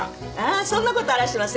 そんなことあらしません。